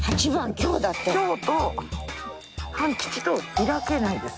凶と半吉と開けないです